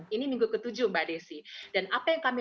ini minggu ke tujuh mbak desi dan apa yang kami